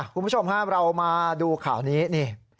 คุณผู้ชมครับเรามาดูข่าวนี้นี่